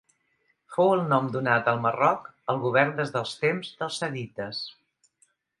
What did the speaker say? Fou el nom donat al Marroc al govern des del temps dels sadites.